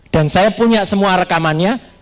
dan saya punya semua rekamannya